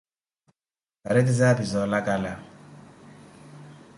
Paretizaya pi za olakala.